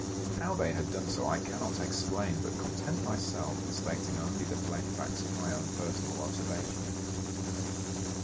How they had done so I cannot explain, but content myself with stating only the plain facts of my own personal observation.